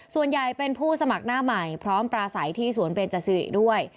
ส่วนใหญ่เป็นผู้สมัครหน้าใหม่พร้อมปราศัยที่สวนเบนจสิริด้วย